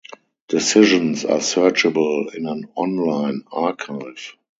Decisions are searchable in an online archive.